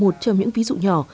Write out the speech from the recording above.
một trong những ví dụ nhỏ